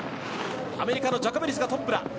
アメリカのジャコベリスがトップだ。